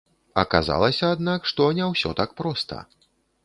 Аказалася, аднак, што не ўсё так проста.